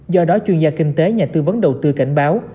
do đó chuyên gia kinh tế nhà tư vấn đầu tư cảnh báo